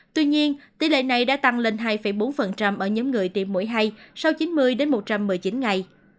tuy nhiên tỷ lệ này đã tăng lên hai bốn ở nhóm người tiêm mũi hai sau chín mươi một trăm một mươi chín ngày